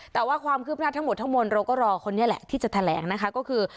แต่ว่าความคืบหน้าทั้งหมดทั้งมวลเราก็รอคนนี้แหละที่จะแถลงนะคะก็คือ